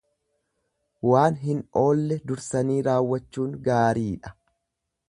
Waan hin oolle dursanii raawwachuun gaariidha.